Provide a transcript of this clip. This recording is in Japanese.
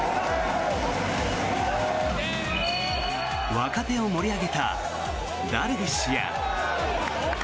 若手を盛り上げたダルビッシュや。